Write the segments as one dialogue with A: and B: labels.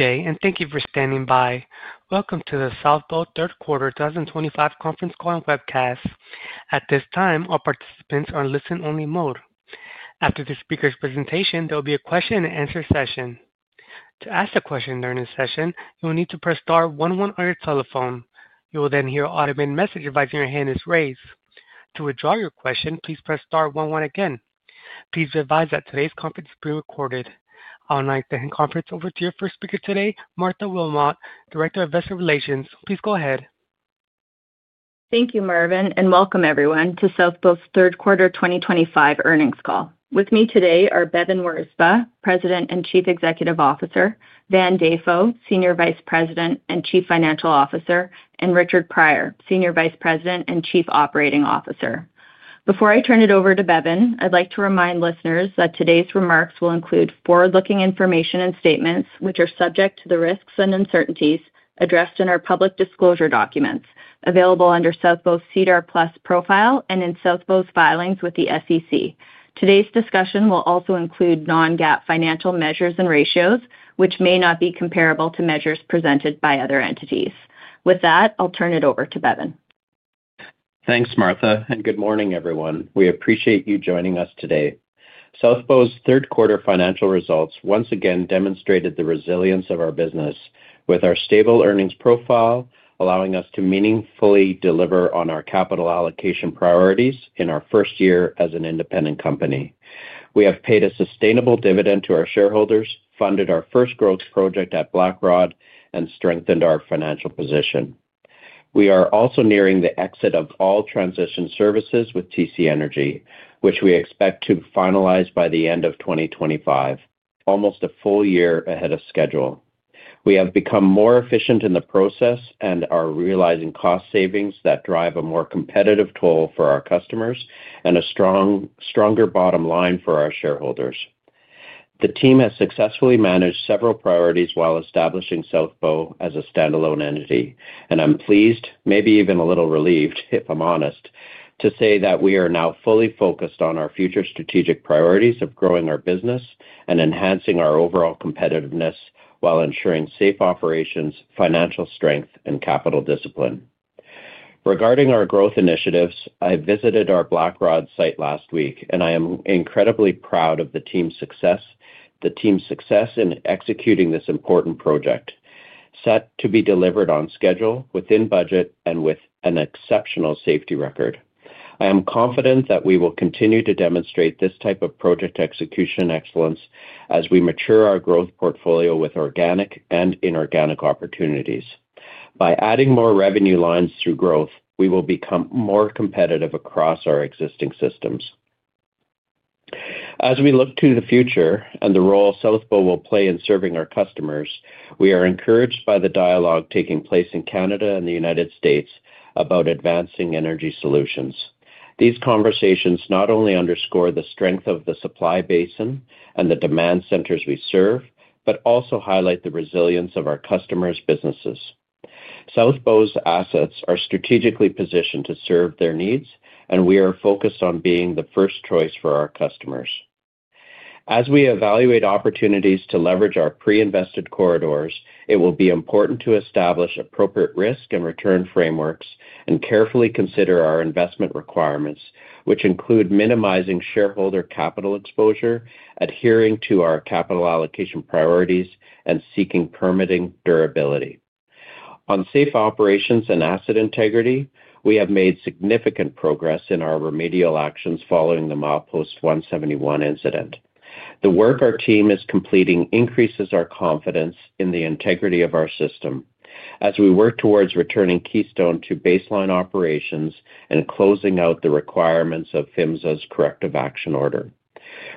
A: Good day, and thank you for standing by. Welcome to the South Bow Third Quarter 2025 Conference Call and Webcast. At this time, all participants are in listen-only mode. After the speaker's presentation, there will be a question-and-answer session. To ask a question during this session, you will need to press star one one on your telephone. You will then hear an automated message advising your hand is raised. To withdraw your question, please press star one one again. Please be advised that today's conference is being recorded. I would like to hand the conference over to your first speaker today, Martha Wilmot, Director of Investor Relations. Please go ahead.
B: Thank you, Marvin, and welcome everyone to South Bow's third quarter 2025 earnings call. With me today are Bevin Wirzba, President and Chief Executive Officer; Van Dafoe, Senior Vice President and Chief Financial Officer; and Richard Prior, Senior Vice President and Chief Operating Officer. Before I turn it over to Bevin, I'd like to remind listeners that today's remarks will include forward-looking information and statements, which are subject to the risks and uncertainties addressed in our public disclosure documents available under South Bow's SEDAR+ profile and in South Bow's filings with the SEC. Today's discussion will also include non-GAAP financial measures and ratios, which may not be comparable to measures presented by other entities. With that, I'll turn it over to Bevin.
C: Thanks, Martha, and good morning, everyone. We appreciate you joining us today. South Bow's third quarter financial results once again demonstrated the resilience of our business, with our stable earnings profile allowing us to meaningfully deliver on our capital allocation priorities in our first year as an independent company. We have paid a sustainable dividend to our shareholders, funded our first growth project at BlackRod, and strengthened our financial position. We are also nearing the exit of all transition services with TC Energy, which we expect to finalize by the end of 2025, almost a full year ahead of schedule. We have become more efficient in the process and are realizing cost savings that drive a more competitive toll for our customers and a stronger bottom line for our shareholders. The team has successfully managed several priorities while establishing South Bow as a standalone entity, and I'm pleased, maybe even a little relieved, if I'm honest, to say that we are now fully focused on our future strategic priorities of growing our business and enhancing our overall competitiveness while ensuring safe operations, financial strength, and capital discipline. Regarding our growth initiatives, I visited our BlackRod site last week, and I am incredibly proud of the team's success, the team's success in executing this important project, set to be delivered on schedule, within budget, and with an exceptional safety record. I am confident that we will continue to demonstrate this type of project execution excellence as we mature our growth portfolio with organic and inorganic opportunities. By adding more revenue lines through growth, we will become more competitive across our existing systems. As we look to the future and the role South Bow will play in serving our customers, we are encouraged by the dialogue taking place in Canada and the United States about advancing energy solutions. These conversations not only underscore the strength of the supply basin and the demand centers we serve, but also highlight the resilience of our customers' businesses. South Bow's assets are strategically positioned to serve their needs, and we are focused on being the first choice for our customers. As we evaluate opportunities to leverage our pre-invested corridors, it will be important to establish appropriate risk and return frameworks and carefully consider our investment requirements, which include minimizing shareholder capital exposure, adhering to our capital allocation priorities, and seeking permitting durability. On safe operations and asset integrity, we have made significant progress in our remedial actions following the Milepost 171 incident. The work our team is completing increases our confidence in the integrity of our system as we work towards returning Keystone to baseline operations and closing out the requirements of PHMSA's Corrective Action Order.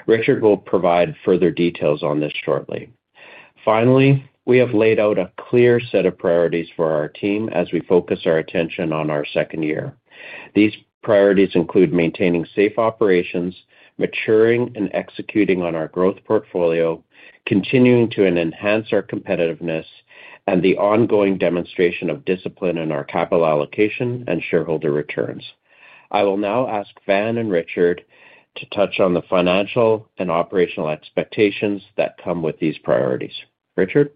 C: Richard will provide further details on this shortly. Finally, we have laid out a clear set of priorities for our team as we focus our attention on our second year. These priorities include maintaining safe operations, maturing and executing on our growth portfolio, continuing to enhance our competitiveness, and the ongoing demonstration of discipline in our capital allocation and shareholder returns. I will now ask Van and Richard to touch on the financial and operational expectations that come with these priorities. Richard?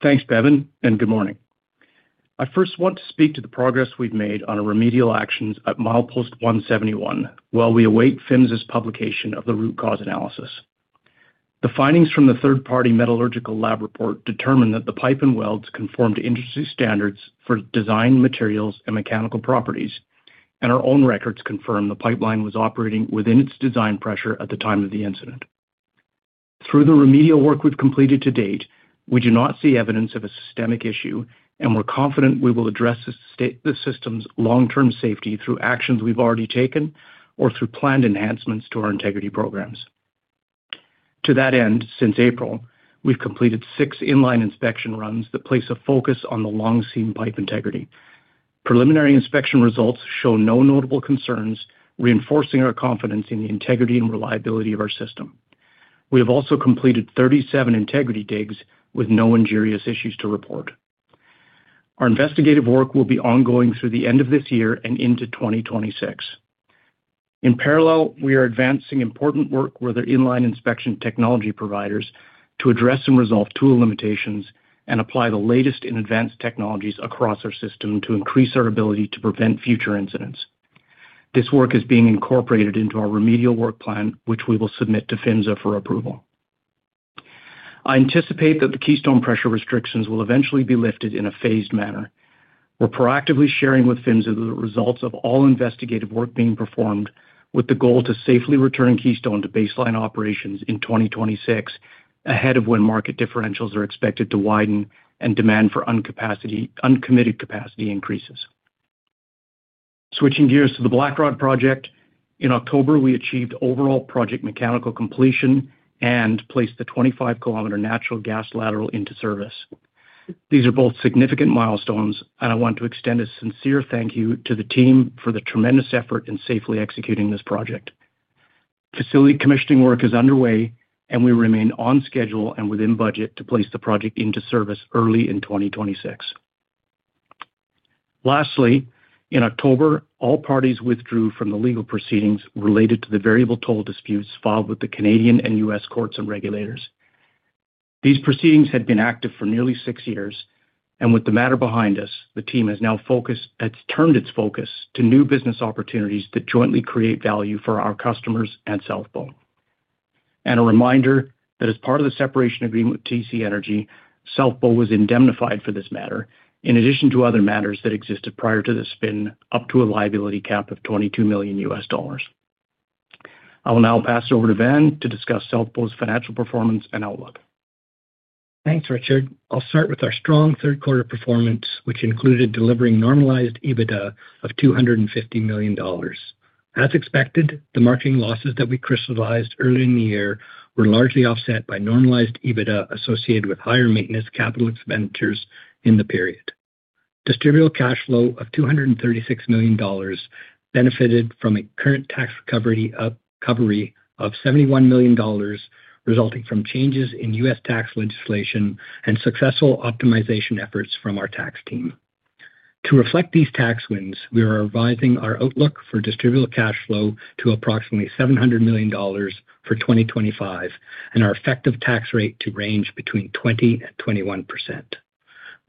D: Thanks, Bevin, and good morning. I first want to speak to the progress we've made on our remedial actions at Milepost 171 while we await PHMSA publication of the root cause analysis. The findings from the third-party metallurgical lab report determine that the pipe and welds conform to industry standards for design materials and mechanical properties, and our own records confirm the pipeline was operating within its design pressure at the time of the incident. Through the remedial work we've completed to date, we do not see evidence of a systemic issue, and we're confident we will address the system's long-term safety through actions we've already taken or through planned enhancements to our integrity programs. To that end, since April, we've completed six inline inspection runs that place a focus on the long seam pipe integrity. Preliminary inspection results show no notable concerns, reinforcing our confidence in the integrity and reliability of our system. We have also completed 37 integrity digs with no injurious issues to report. Our investigative work will be ongoing through the end of this year and into 2026. In parallel, we are advancing important work with our inline inspection technology providers to address and resolve tool limitations and apply the latest and advanced technologies across our system to increase our ability to prevent future incidents. This work is being incorporated into our remedial work plan, which we will submit to PHMSA for approval. I anticipate that the Keystone pressure restrictions will eventually be lifted in a phased manner. We're proactively sharing with PHMSA the results of all investigative work being performed with the goal to safely return Keystone to baseline operations in 2026, ahead of when market differentials are expected to widen and demand for uncommitted capacity increases. Switching gears to the BlackRod project, in October, we achieved overall project mechanical completion and placed the 25 km natural gas lateral into service. These are both significant milestones, and I want to extend a sincere thank you to the team for the tremendous effort in safely executing this project. Facility commissioning work is underway, and we remain on schedule and within budget to place the project into service early in 2026. Lastly, in October, all parties withdrew from the legal proceedings related to the variable toll disputes filed with the Canadian and U.S. courts and regulators. These proceedings had been active for nearly six years, and with the matter behind us, the team has now focused and turned its focus to new business opportunities that jointly create value for our customers and South Bow. A reminder that as part of the separation agreement with TC Energy, South Bow was indemnified for this matter, in addition to other matters that existed prior to the spin, up to a liability cap of $22 million. I will now pass it over to Van to discuss South Bow's financial performance and outlook.
E: Thanks, Richard. I'll start with our strong third-quarter performance, which included delivering normalized EBITDA of $250 million. As expected, the marketing losses that we crystallized early in the year were largely offset by normalized EBITDA associated with higher maintenance capital expenditures in the period. Distributable cash flow of $236 million benefited from a current tax recovery of $71 million, resulting from changes in U.S. tax legislation and successful optimization efforts from our tax team. To reflect these tax wins, we are revising our outlook for distributable cash flow to approximately $700 million for 2025 and our effective tax rate to range between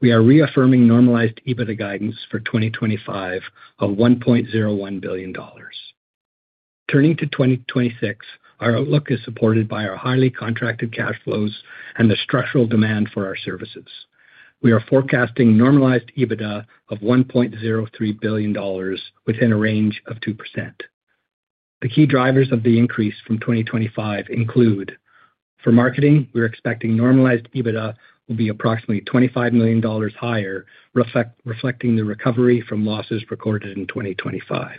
E: 20-21%. We are reaffirming normalized EBITDA guidance for 2025 of $1.01 billion. Turning to 2026, our outlook is supported by our highly contracted cash flows and the structural demand for our services. We are forecasting normalized EBITDA of $1.03 billion within a range of 2%. The key drivers of the increase from 2025 include: for marketing, we're expecting normalized EBITDA will be approximately $25 million higher, reflecting the recovery from losses recorded in 2025.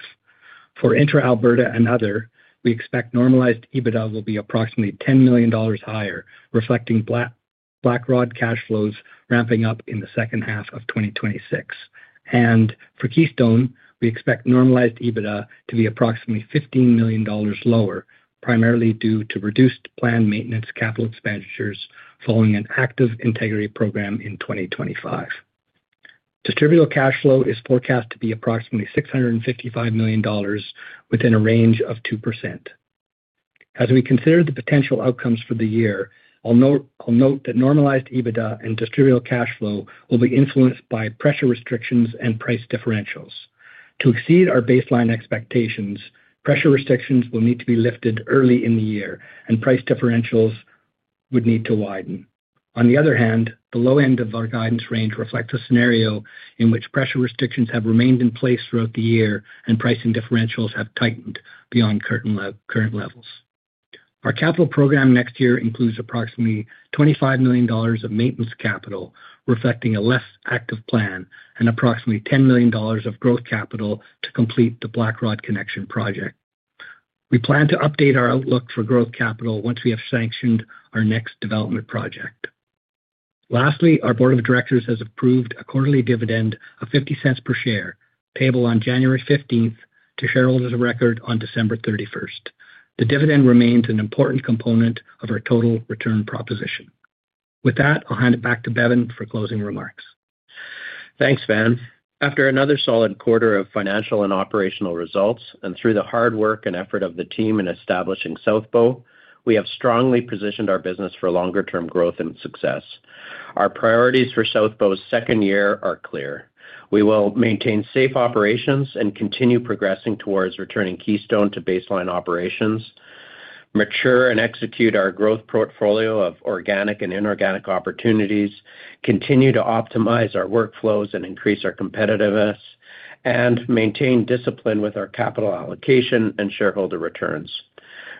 E: For InterAlberta and other, we expect normalized EBITDA will be approximately $10 million higher, reflecting BlackRod cash flows ramping up in the second half of 2026. For Keystone, we expect normalized EBITDA to be approximately $15 million lower, primarily due to reduced planned maintenance capital expenditures following an active integrity program in 2025. Distributable cash flow is forecast to be approximately $655 million within a range of 2%. As we consider the potential outcomes for the year, I'll note that normalized EBITDA and distributable cash flow will be influenced by pressure restrictions and price differentials. To exceed our baseline expectations, pressure restrictions will need to be lifted early in the year, and price differentials would need to widen. On the other hand, the low end of our guidance range reflects a scenario in which pressure restrictions have remained in place throughout the year and pricing differentials have tightened beyond current levels. Our capital program next year includes approximately $25 million of maintenance capital, reflecting a less active plan, and approximately $10 million of growth capital to complete the BlackRod connection project. We plan to update our outlook for growth capital once we have sanctioned our next development project. Lastly, our board of directors has approved a quarterly dividend of $0.50 per share, payable on January 15th to shareholders of record on December 31st. The dividend remains an important component of our total return proposition. With that, I'll hand it back to Bevin for closing remarks.
C: Thanks, Van. After another solid quarter of financial and operational results and through the hard work and effort of the team in establishing South Bow, we have strongly positioned our business for longer-term growth and success. Our priorities for South Bow's second year are clear. We will maintain safe operations and continue progressing towards returning Keystone to baseline operations, mature and execute our growth portfolio of organic and inorganic opportunities, continue to optimize our workflows and increase our competitiveness, and maintain discipline with our capital allocation and shareholder returns.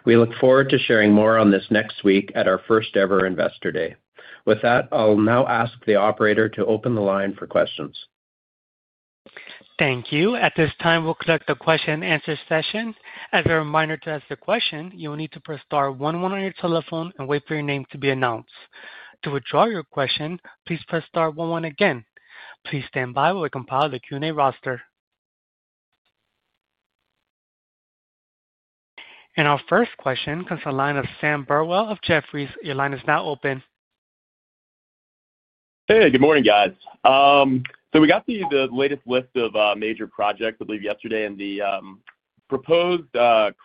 C: We look forward to sharing more on this next week at our first-ever investor day. With that, I'll now ask the operator to open the line for questions.
A: Thank you. At this time, we'll conduct a question-and-answer session. As a reminder to ask the question, you will need to press star one one on your telephone and wait for your name to be announced. To withdraw your question, please press star one one again. Please stand by while we compile the Q&A roster. Our first question comes from the line of Sam Burwell of Jefferies. Your line is now open.
F: Hey, good morning, guys. We got the latest list of major projects, I believe, yesterday, and the proposed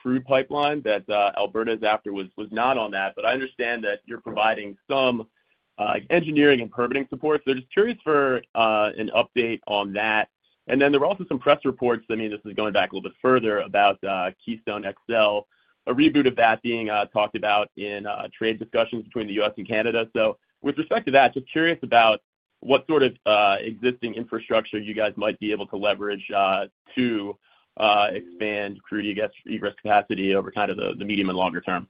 F: crude pipeline that Alberta is after was not on that. I understand that you're providing some engineering and permitting support. Just curious for an update on that. There were also some press reports, I mean, this is going back a little bit further, about Keystone XL, a reboot of that being talked about in trade discussions between the U.S. and Canada. With respect to that, just curious about what sort of existing infrastructure you guys might be able to leverage to expand crude egress capacity over kind of the medium and longer term.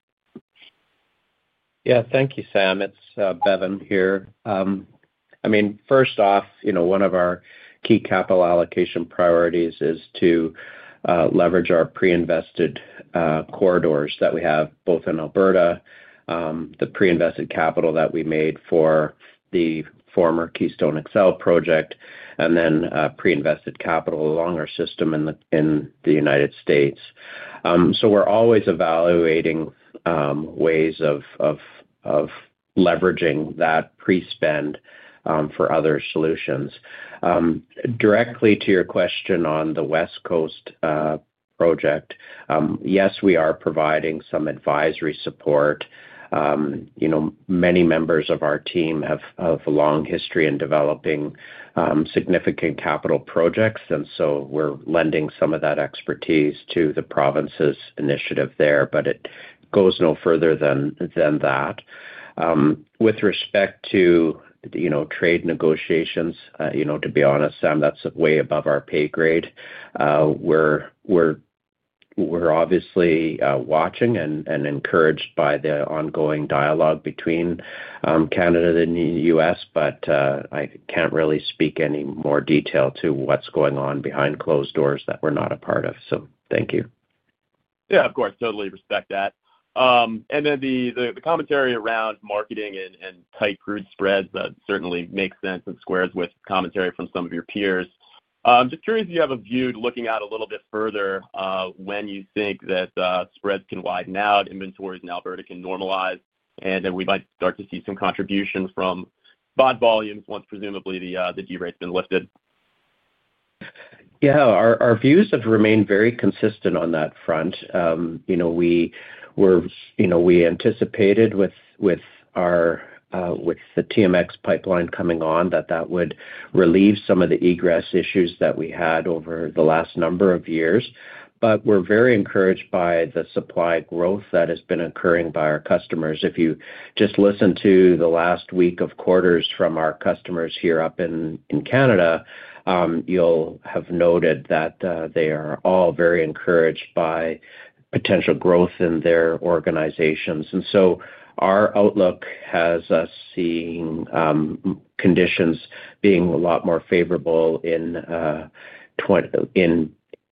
C: Yeah, thank you, Sam. It's Bevin here. I mean, first off, one of our key capital allocation priorities is to leverage our pre-invested corridors that we have both in Alberta, the pre-invested capital that we made for the former Keystone XL project, and then pre-invested capital along our system in the United States. We are always evaluating ways of leveraging that pre-spend for other solutions. Directly to your question on the West Coast project, yes, we are providing some advisory support. Many members of our team have a long history in developing significant capital projects, and we are lending some of that expertise to the province's initiative there, but it goes no further than that. With respect to trade negotiations, to be honest, Sam, that's way above our pay grade. We're obviously watching and encouraged by the ongoing dialogue between Canada and the U.S., but I can't really speak any more detail to what's going on behind closed doors that we're not a part of. Thank you.
F: Yeah, of course. Totally respect that. The commentary around marketing and tight crude spreads certainly makes sense and squares with commentary from some of your peers. I'm just curious if you have a view looking out a little bit further when you think that spreads can widen out, inventories in Alberta can normalize, and then we might start to see some contribution from bond volumes once presumably the derate's been lifted.
C: Yeah, our views have remained very consistent on that front. We anticipated with the TMX Pipeline coming on that that would relieve some of the egress issues that we had over the last number of years. We are very encouraged by the supply growth that has been occurring by our customers. If you just listen to the last week of quarters from our customers here up in Canada, you'll have noted that they are all very encouraged by potential growth in their organizations. Our outlook has us seeing conditions being a lot more favorable in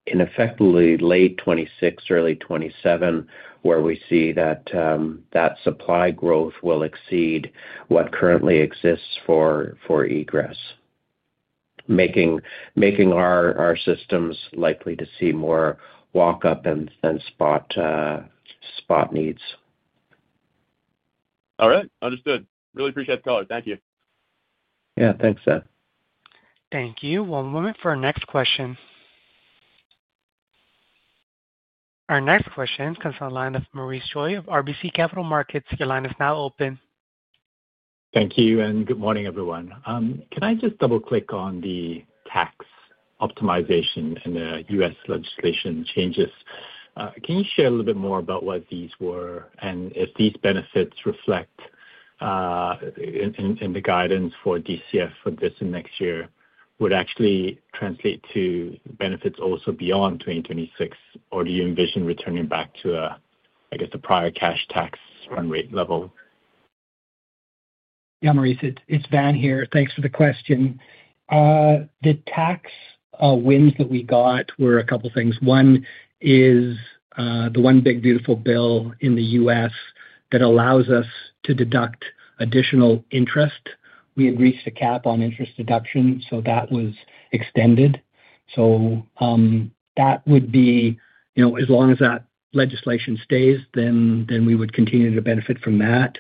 C: effectively late 2026, early 2027, where we see that that supply growth will exceed what currently exists for egress, making our systems likely to see more walk-up and spot needs.
F: All right. Understood. Really appreciate the color. Thank you.
C: Yeah, thanks, Sam.
A: Thank you. One moment for our next question. Our next question comes from the line of Maurice Choy of RBC Capital Markets. Your line is now open.
G: Thank you. Good morning, everyone. Can I just double-click on the tax optimization and the U.S. legislation changes? Can you share a little bit more about what these were and if these benefits reflect in the guidance for DCF for this and next year would actually translate to benefits also beyond 2026, or do you envision returning back to, I guess, the prior cash tax run rate level?
E: Yeah, Maurice, it's Van here. Thanks for the question. The tax wins that we got were a couple of things. One is the one big beautiful bill in the U.S. that allows us to deduct additional interest. We had reached a cap on interest deduction, so that was extended. That would be, as long as that legislation stays, then we would continue to benefit from that.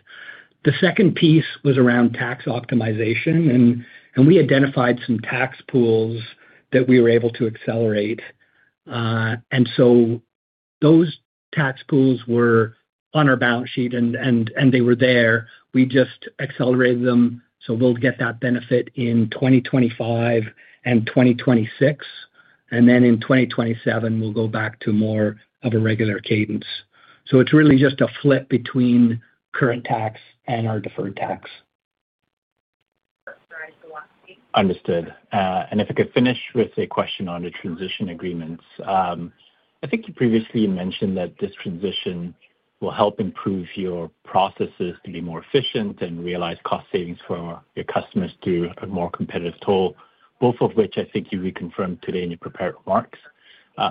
E: The second piece was around tax optimization, and we identified some tax pools that we were able to accelerate. Those tax pools were on our balance sheet, and they were there. We just accelerated them. We'll get that benefit in 2025 and 2026. In 2027, we'll go back to more of a regular cadence. It's really just a flip between current tax and our deferred tax.
G: Understood. If I could finish with a question on the transition agreements. I think you previously mentioned that this transition will help improve your processes to be more efficient and realize cost savings for your customers through a more competitive toll, both of which I think you reconfirmed today in your prepared remarks.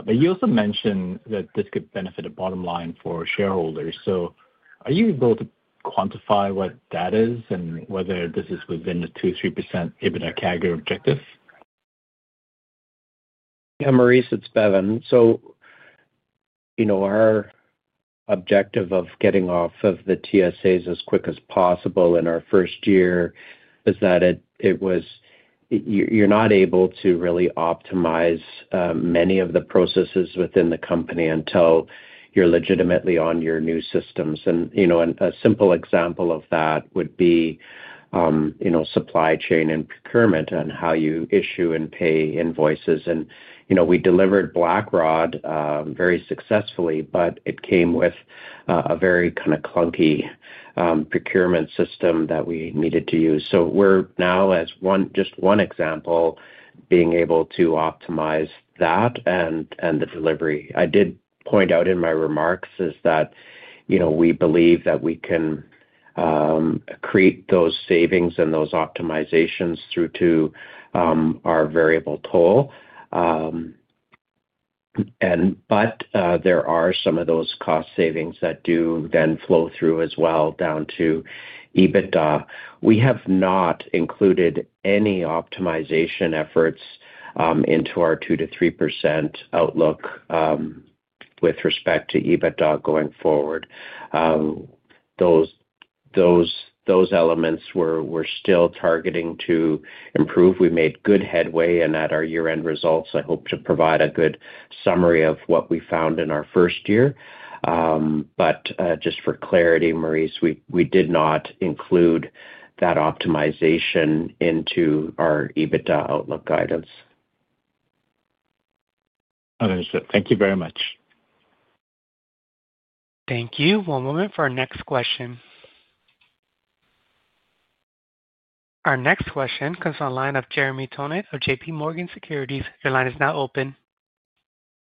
G: You also mentioned that this could benefit a bottom line for shareholders. Are you able to quantify what that is and whether this is within the 2-3% EBITDA CAGR objective?
C: Yeah, Maurice, it's Bevin. Our objective of getting off of the TSAs as quick as possible in our first year is that you're not able to really optimize many of the processes within the company until you're legitimately on your new systems. A simple example of that would be supply chain and procurement and how you issue and pay invoices. We delivered BlackRod very successfully, but it came with a very kind of clunky procurement system that we needed to use. We are now, as just one example, being able to optimize that and the delivery. I did point out in my remarks that we believe that we can create those savings and those optimizations through to our variable toll. There are some of those cost savings that do then flow through as well down to EBITDA. We have not included any optimization efforts into our 2-3% outlook with respect to EBITDA going forward. Those elements we're still targeting to improve. We made good headway, and at our year-end results, I hope to provide a good summary of what we found in our first year. For clarity, Maurice, we did not include that optimization into our EBITDA outlook guidance.
H: Understood. Thank you very much.
A: Thank you. One moment for our next question. Our next question comes from the line of Jeremy Tonet of JP Morgan Securities. Your line is now open.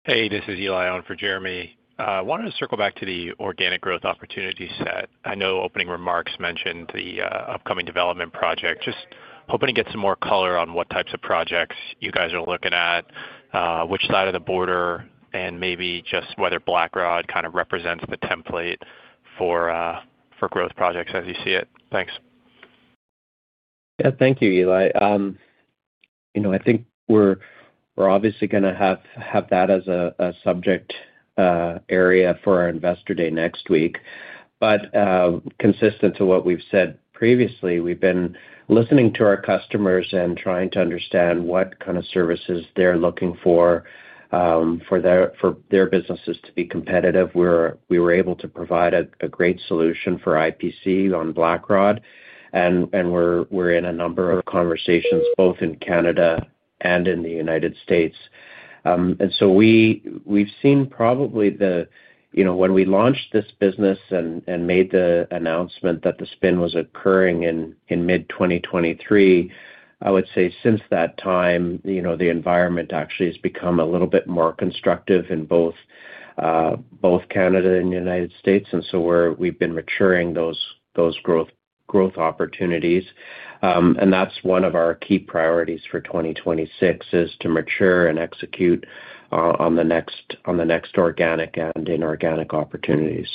I: Hey, this is Elion for Jeremy. I wanted to circle back to the organic growth opportunity set. I know opening remarks mentioned the upcoming development project. Just hoping to get some more color on what types of projects you guys are looking at, which side of the border, and maybe just whether BlackRod kind of represents the template for growth projects as you see it. Thanks.
C: Yeah, thank you, Eli. I think we're obviously going to have that as a subject area for our investor day next week. Consistent to what we've said previously, we've been listening to our customers and trying to understand what kind of services they're looking for for their businesses to be competitive. We were able to provide a great solution for IPC on BlackRod, and we're in a number of conversations both in Canada and in the United States. We've seen probably when we launched this business and made the announcement that the spin was occurring in mid-2023, I would say since that time, the environment actually has become a little bit more constructive in both Canada and the United States. We've been maturing those growth opportunities. That's one of our key priorities for 2026 is to mature and execute on the next organic and inorganic opportunities.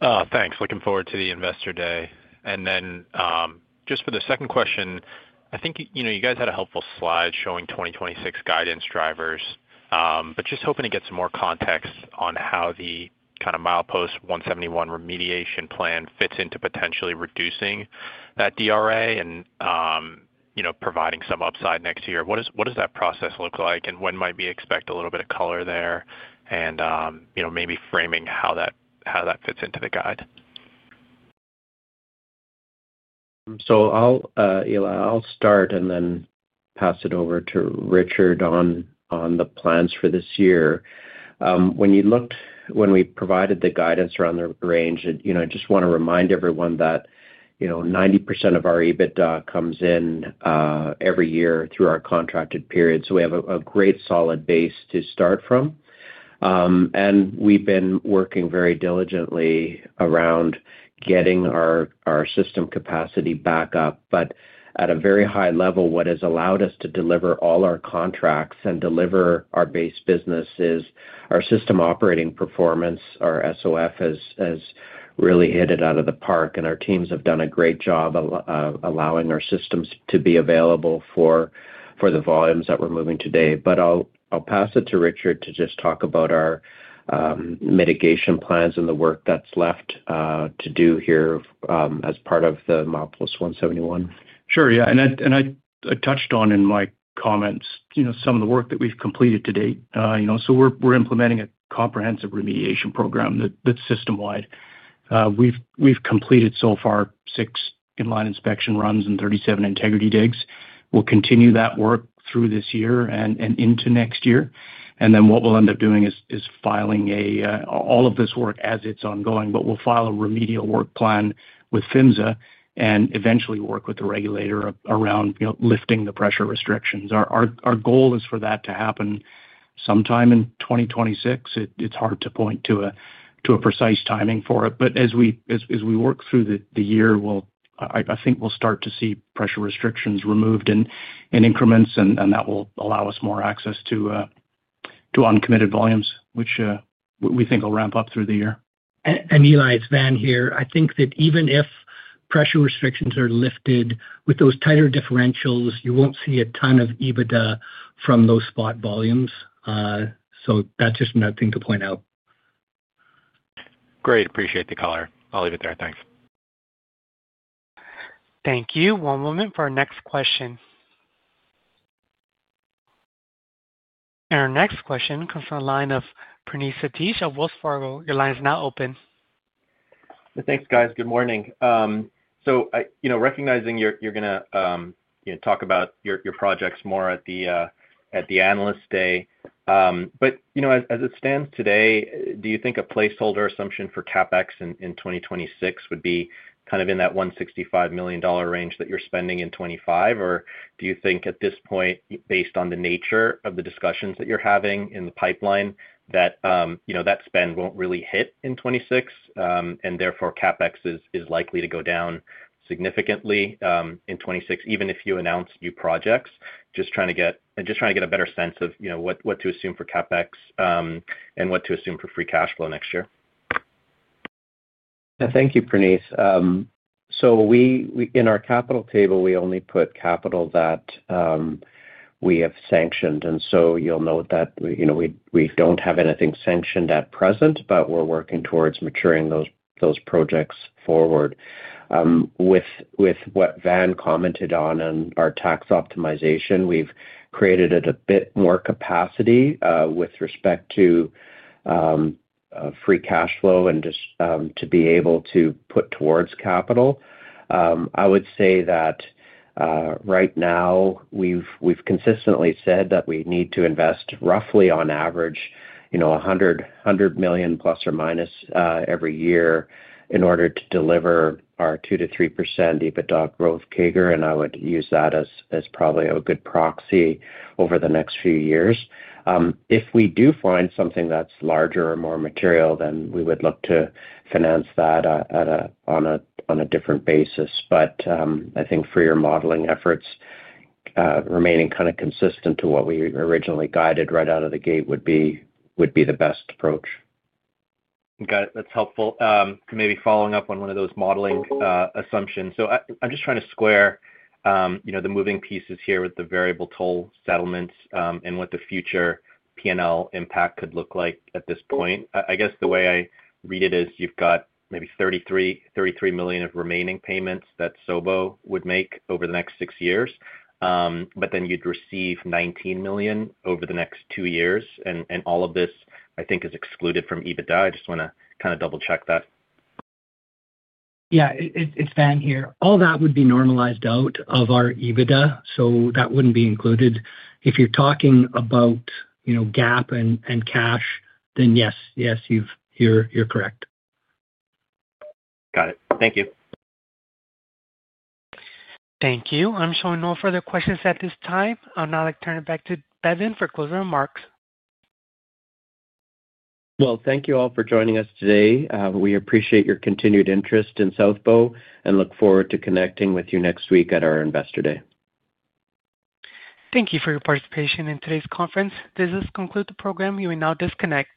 I: Thanks. Looking forward to the investor day. For the second question, I think you guys had a helpful slide showing 2026 guidance drivers, but just hoping to get some more context on how the kind of Milepost 171 remediation plan fits into potentially reducing that DRA and providing some upside next year. What does that process look like, and when might we expect a little bit of color there and maybe framing how that fits into the guide?
C: Eli, I'll start and then pass it over to Richard on the plans for this year. When we provided the guidance around the range, I just want to remind everyone that 90% of our EBITDA comes in every year through our contracted period. We have a great solid base to start from. We have been working very diligently around getting our system capacity back up. At a very high level, what has allowed us to deliver all our contracts and deliver our base business is our system operating performance. Our SOF has really hit it out of the park, and our teams have done a great job allowing our systems to be available for the volumes that we're moving today. I'll pass it to Richard to just talk about our mitigation plans and the work that's left to do here as part of the Milepost 171.
D: Sure. Yeah. I touched on in my comments some of the work that we've completed to date. We're implementing a comprehensive remediation program that's system-wide. We've completed so far six inline inspection runs and 37 integrity digs. We'll continue that work through this year and into next year. What we'll end up doing is filing all of this work as it's ongoing, but we'll file a remedial work plan with PHMSA and eventually work with the regulator around lifting the pressure restrictions. Our goal is for that to happen sometime in 2026. It's hard to point to a precise timing for it. As we work through the year, I think we'll start to see pressure restrictions removed in increments, and that will allow us more access to uncommitted volumes, which we think will ramp up through the year.
E: Eli, it's Van here. I think that even if pressure restrictions are lifted with those tighter differentials, you won't see a ton of EBITDA from those spot volumes. So that's just another thing to point out.
I: Great. Appreciate the color. I'll leave it there. Thanks.
A: Thank you. One moment for our next question. Our next question comes from the line of Praneesa Deesh of Wells Fargo. Your line is now open.
J: Thanks, guys. Good morning. Recognizing you're going to talk about your projects more at the analyst day, as it stands today, do you think a placeholder assumption for CapEx in 2026 would be kind of in that $165 million range that you're spending in 2025? Or do you think at this point, based on the nature of the discussions that you're having in the pipeline, that spend will not really hit in 2026 and therefore CapEx is likely to go down significantly in 2026, even if you announce new projects? Just trying to get a better sense of what to assume for CapEx and what to assume for free cash flow next year.
C: Thank you, Praneesa. In our capital table, we only put capital that we have sanctioned. You'll note that we do not have anything sanctioned at present, but we are working towards maturing those projects forward. With what Van commented on and our tax optimization, we have created a bit more capacity with respect to free cash flow and just to be able to put towards capital. I would say that right now, we have consistently said that we need to invest roughly on average $100 million plus or minus every year in order to deliver our 2-3% EBITDA growth CAGR. I would use that as probably a good proxy over the next few years. If we do find something that is larger or more material, then we would look to finance that on a different basis. I think for your modeling efforts, remaining kind of consistent to what we originally guided right out of the gate would be the best approach.
J: Got it. That's helpful. Maybe following up on one of those modeling assumptions. I'm just trying to square the moving pieces here with the variable toll settlements and what the future P&L impact could look like at this point. I guess the way I read it is you've got maybe $33 million of remaining payments that South Bow would make over the next six years, but then you'd receive $19 million over the next two years. All of this, I think, is excluded from EBITDA. I just want to kind of double-check that.
E: Yeah, it's Van here. All that would be normalized out of our EBITDA, so that wouldn't be included. If you're talking about GAAP and cash, then yes, yes, you're correct.
J: Got it. Thank you.
A: Thank you. I'm showing no further questions at this time. I'll now turn it back to Bevin for closing remarks.
C: Thank you all for joining us today. We appreciate your continued interest in South Bow and look forward to connecting with you next week at our investor day.
A: Thank you for your participation in today's conference. This has concluded the program. You may now disconnect.